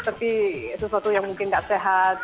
tapi sesuatu yang mungkin tidak sehat